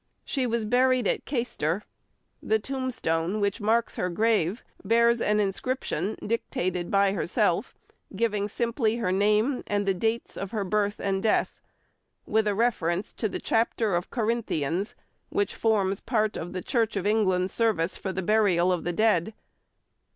She was buried at Caister; the tombstone which marks her grave bears an inscription dictated by herself, giving simply her name and the dates of her birth and death, with a reference to the chapter of Corinthians which forms part of the Church of England Service for the Burial of the Dead.